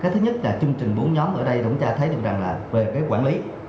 cái thứ nhất là chương trình bốn nhóm ở đây chúng ta thấy được rằng là về cái quản lý